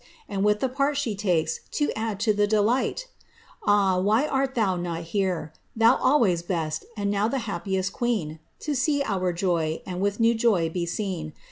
And with the part the takes, to add to the delight I Ah, whj art thou not here ? Thou always best, and now the happiest queen I To see our joy. and with now joy be seen.